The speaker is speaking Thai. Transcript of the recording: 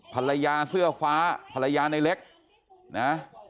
ภรรยาเสื้อฟ้าภรรยาในเล็กนะ